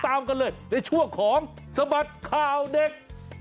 ตามกันเลยในช่วงของสบัดข่าวเด็ก